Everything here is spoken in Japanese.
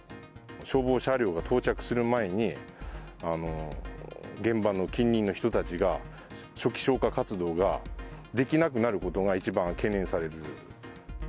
消防車両が到着する前に、現場の近隣の人たちが、初期消火活動ができなくなることが一番懸念される。